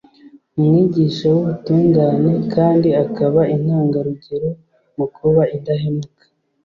umwigisha w’ubutungane kandi akaba intangarugero mu kuba indahemuka.